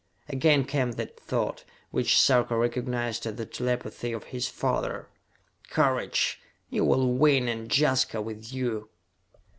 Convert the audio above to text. Again came that thought, which Sarka recognized as the telepathy of his father: "Courage! You will win, and Jaska with you!"